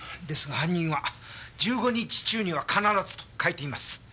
ですが犯人は１５日中には必ずと書いています。